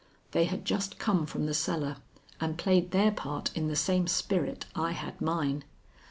They had just come from the cellar and played their part in the same spirit I had mine.